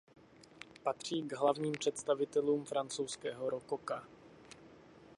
Patří k hlavním představitelům francouzského rokoka.